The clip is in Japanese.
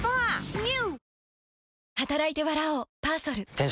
ＮＥＷ！